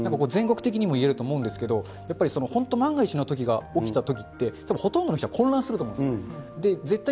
全国的にも言えると思うんですけど、やっぱり本当、万が一のことが起きたときって、たぶんほとんどの人は混乱すると思うんです。